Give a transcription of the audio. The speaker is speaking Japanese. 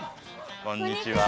こんにちは。